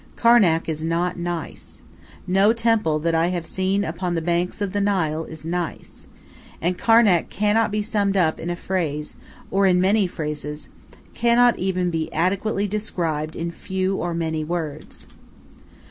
Karnak is not nice. No temple that I have seen upon the banks of the Nile is nice. And Karnak cannot be summed up in a phrase or in many phrases; cannot even be adequately described in few or many words.